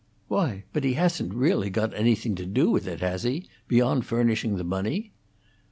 "Why, but he hasn't really got anything to do with it, has he, beyond furnishing the money?"